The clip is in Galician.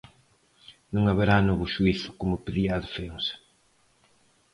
Non haberá novo xuízo, como pedía a defensa.